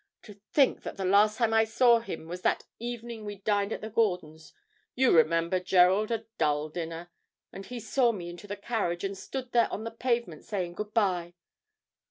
To think that the last time I saw him was that evening we dined at the Gordons' you remember, Gerald, a dull dinner and he saw me into the carriage, and stood there on the pavement saying good bye!'